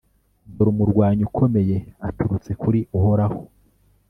Dore umurwanyi ukomeye, aturutse kuri Uhoraho,